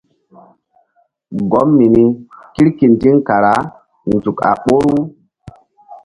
Gɔm mini kirkindiŋ kara nzuk a ɓoru.